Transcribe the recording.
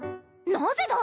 なぜだ！